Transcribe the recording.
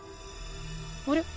あれ？